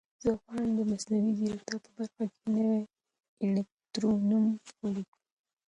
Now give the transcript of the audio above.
زه غواړم د مصنوعي ځیرکتیا په برخه کې نوي الګوریتمونه ولیکم.